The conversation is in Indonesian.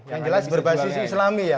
yang jelas berbasis islami ya